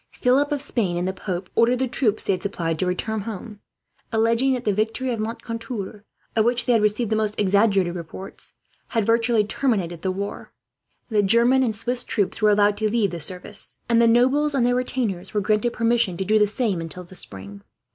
Philip of Spain and the pope ordered the troops they had supplied to return home, alleging that the victory of Moncontour, of which they had received the most exaggerated reports, had virtually terminated the war. The German and Swiss troops were allowed to leave the service, and the nobles and their retainers were granted permission to do the same, until the spring.